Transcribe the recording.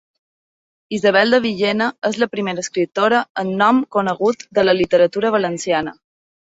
Isabel de Villena és la primera escriptora amb nom conegut de la literatura valenciana.